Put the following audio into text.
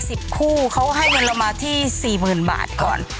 สิบคู่เขาให้เงินเรามาที่สี่หมื่นบาทก่อน